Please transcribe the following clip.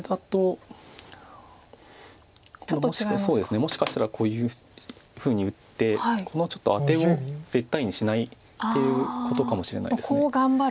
もしかしたらこういうふうに打ってちょっとアテを絶対にしないっていうことかもしれないです。